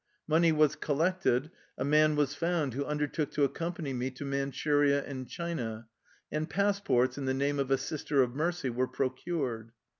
Money was collected, a man was found who un dertook to accompany me to Manchuria and China, and passports in the name of a " Sister of Mercy " were procured.